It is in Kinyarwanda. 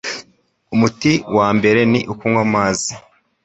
umuti wa mbere ni ukunywa amazi